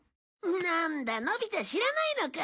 なんだのび太知らないのか。